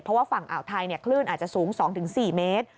เพราะว่าฝั่งอ่าวไทยคลื่นอาจจะสูง๒๔เมตร